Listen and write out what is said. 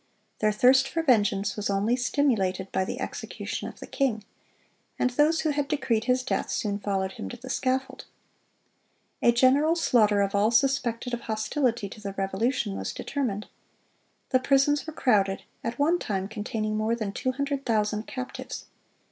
Their thirst for vengeance was only stimulated by the execution of the king; and those who had decreed his death, soon followed him to the scaffold. A general slaughter of all suspected of hostility to the Revolution was determined. The prisons were crowded, at one time containing more than two hundred thousand captives.